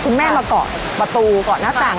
คุณแม่มาเกาะประตูเกาะหน้าสั่ง